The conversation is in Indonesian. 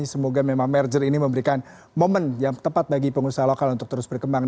semoga merger ini memberikan momen yang tepat bagi pengusaha lokal untuk terus berkembang